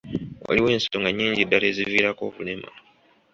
Waliwo ensonga nnyingi ddala eziviirako obulema.